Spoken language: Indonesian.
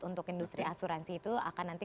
untuk industri asuransi itu akan nanti